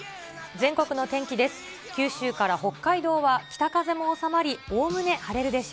全国の天気です。